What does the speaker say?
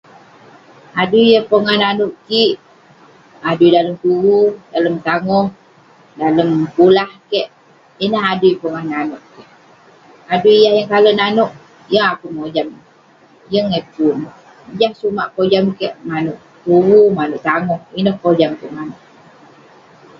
Adui yah pongah nanouk kik, adui dalem tuvu, dalem tangoh, dalem [unintelligible] kik. Ineh adui ya pingah nanouk kik. Adui yah yeng kalek nanouk, yeng akouk mojam. Yeng eh pun. Jah sumak kojam kik, manouk tuvu, manouk tangoh. Inek kojam kik manouk.